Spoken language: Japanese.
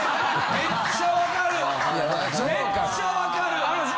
めっちゃ分かる！